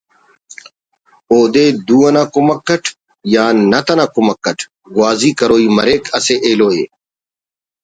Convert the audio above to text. اودے دو انا کمک اٹ یا نت انا کمک اٹ گوازی کروئی مریک اسہ ایلوءِ